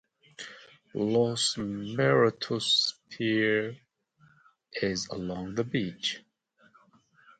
Los Muertos Pier is along the beach.